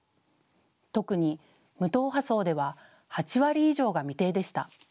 特に無党派層では８割以上が未定でした。